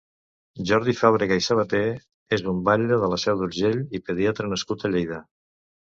Jordi Fàbrega i Sabaté és un batlle de la Seu d'Urgell i pediatre nascut a Lleida.